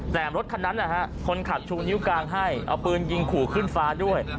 แต่รถคันนั้นนะฮะคนขับชูนิ้วกลางให้เอาปืนยิงขู่ขึ้นฟ้าด้วย